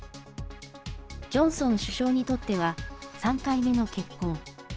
ジョンソン首相にとっては３回目の結婚。